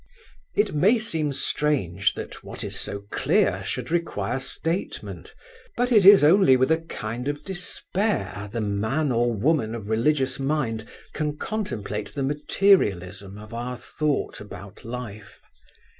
It may seem strange that what is so clear should require statement, but it is only with a kind of despair the man or woman of religious mind can contemplate the materialism of our thought about life.